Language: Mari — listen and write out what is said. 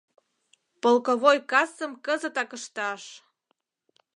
Полковой кассым кызытак ышташ.